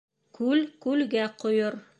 Күл күлгә ҡойор.